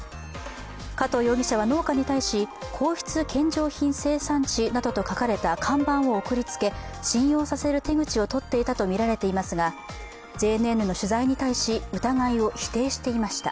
加藤容疑者は農家に対し皇室献上品生産地などと書かれた看板を送りつけ、信用させる手口を取っていたとみられていますがＪＮＮの取材に対し、疑いを否定していました。